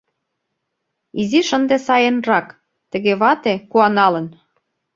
Изиш ынде сайынрак», Тыге вате, куаналын